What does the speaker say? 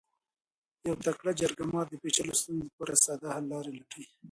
یو تکړه جرګه مار د پیچلو ستونزو لپاره ساده حل لارې لټوي.